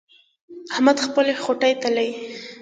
احمد خپلې خوټې تلي.